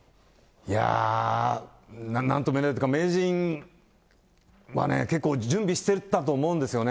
いやあ、なんとも言えないというか、名人はね、結構準備してたと思うんですよね。